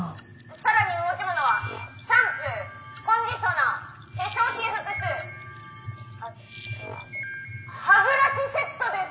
「更に持ち物はシャンプーコンディショナー化粧品複数あと歯ブラシセットです！」。